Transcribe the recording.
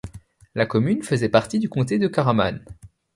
La commune faisait partie du comté de Caraman.